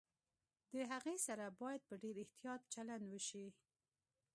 د هغې سره باید په ډېر احتياط چلند وشي